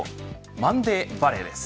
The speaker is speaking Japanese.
マンデーバレーです。